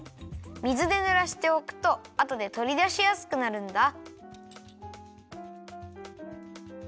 水でぬらしておくとあとでとりだしやすくなるんだ。